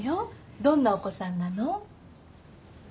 どんなお子さんなの？